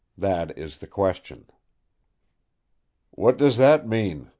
that is the question." "What does that mean?"